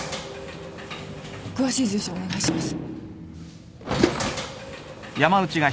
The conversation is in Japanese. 詳しい住所をお願いします。